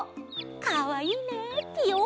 かわいいね。